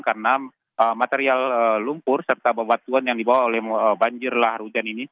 karena material lumpur serta bawatuan yang dibawa oleh banjir lah rujian ini